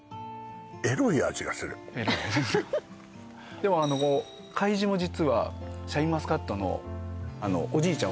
エロいでもあの甲斐路も実はシャインマスカットのおじいちゃん